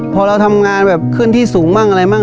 พอเราทำงานแบบขึ้นที่สูงบ้างอะไรบ้าง